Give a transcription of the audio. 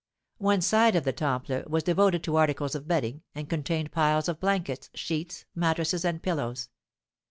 One side of the Temple was devoted to articles of bedding, and contained piles of blankets, sheets, mattresses, and pillows.